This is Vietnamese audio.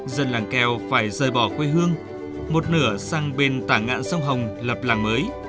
dân làng keo phải rời bỏ quê hương một nửa sang bên tảng ngạn sông hồng lập làng mới